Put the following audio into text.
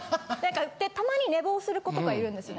たまに寝坊する子とかいるんですね。